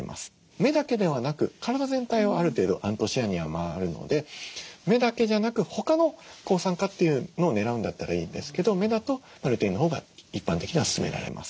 目だけではなく体全体をある程度アントシアニンは回るので目だけじゃなく他の抗酸化というのをねらうんだったらいいんですけど目だとルテインのほうが一般的には勧められます。